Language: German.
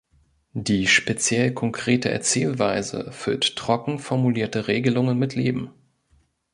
Die speziell-konkrete Erzählweise füllt „trocken“ formulierte Regelungen mit Leben.